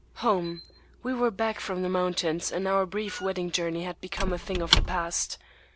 Home! We were back from the mountains, and our brief wedding journey had become a thing of the past.